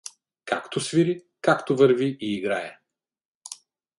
Както свири, както върви — и играе!